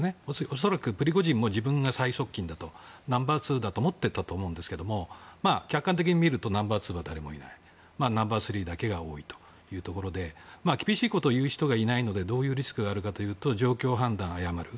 恐らくプリゴジンも自分が最側近だとナンバー２だと思ってたと思うんですが客観的に見るとナンバー２は誰もいないナンバー３だけが多いということで厳しいことを言う人がいないことはどういうリスクがあるかというと状況判断を誤る。